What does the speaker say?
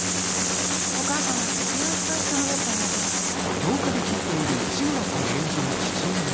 お母さんなんてずっと一緒のベッドに寝てんのよ。